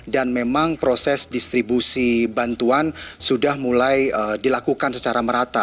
dan memang proses distribusi bantuan sudah mulai dilakukan secara merata